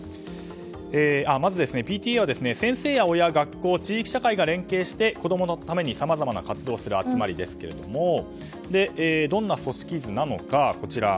まず、ＰＴＡは先生や親、学校、地域社会が連携して、子供のためにさまざまな活動をする集まりですけれどもどんな組織図なのか。